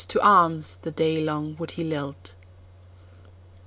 to arms!" the day long would he lilt.